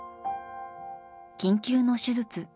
緊急の手術。